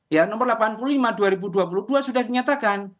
ya nomor delapan puluh lima dua ribu dua puluh dua sudah dinyatakan